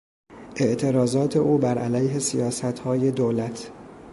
اعتراضات او بر علیه سیاستهای دولت